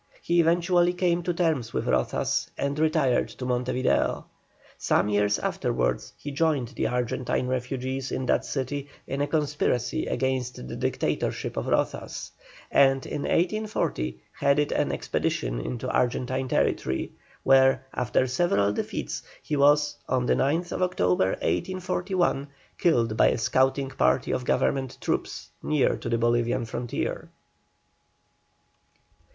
He eventually came to terms with Rozas, and retired to Monte Video. Some years afterwards he joined the Argentine refugees in that city in a conspiracy against the Dictatorship of Rozas, and in 1840 headed an expedition into Argentine territory, where, after several defeats, he was on the 9th October, 1841, killed by a scouting party of Government troops near to the Bolivian frontier.